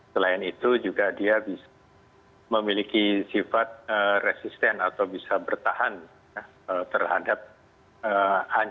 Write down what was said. selain itu juga dia bisa memiliki sifat resisten atau bisa bertahan terhadap